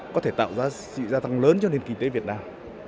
có thể tạo ra sự gia tăng lớn cho nền kinh tế việt nam